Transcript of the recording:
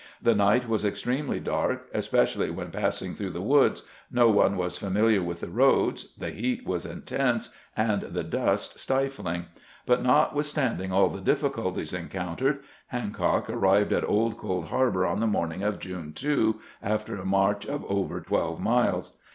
The night was extremely dark, especially when passing through the woods, no one was familiar with the roads, the heat was intense, and the dust stifling ; but notwith standing all the difficulties encountered, Hancock ar rived at Old Cold Harbor on the morning of June 2, after a march of over twelve miles.